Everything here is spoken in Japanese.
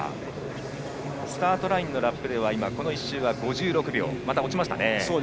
スタートラインのラップで今の１周が５６秒とまた落ちましたね。